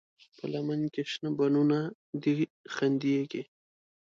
په لمن کې شنه بڼوڼه دي خندېږي